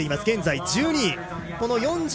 現在１２位。